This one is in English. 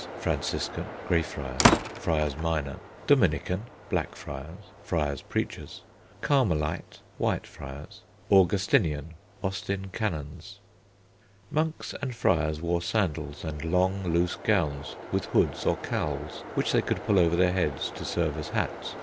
Franciscan (Grey friars, friars minor), Dominican (Black friars, friars preachers), Carmelite (White friars), Augustinian (Austin canons). Monks and friars wore sandals, and long, loose gowns with hoods or cowls which they could pull over their heads to serve as hats.